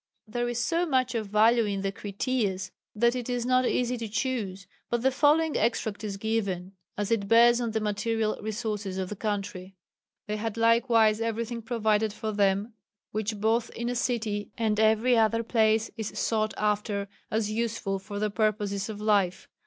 There is so much of value in the Critias that it is not easy to choose, but the following extract is given, as it bears on the material resources of the country: "They had likewise everything provided for them which both in a city and every other place is sought after as useful for the purposes of life.